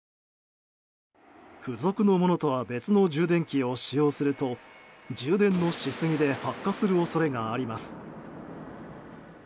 付属のものとは別の充電器を使用すると充電のし過ぎで発火する恐れがあります。